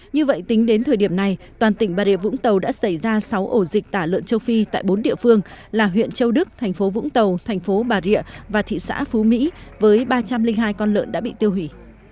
như vậy tính đến thời điểm này toàn tỉnh bà rịa vũng tàu đã xảy ra sáu ổ dịch tả lợn châu phi tại bốn địa phương là huyện châu đức thành phố vũng tàu thành phố bà rịa và thị xã phú mỹ với ba trăm linh hai con lợn đã bị tiêu hủy